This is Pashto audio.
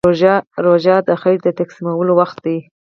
روژه د خیر تقسیمولو وخت دی.